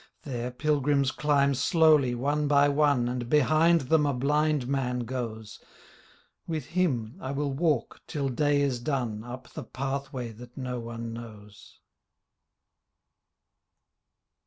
There pilgrims climb slowly one by one. And behind them a blind man goes: With him I will walk till day is done Up the pathway that no one knows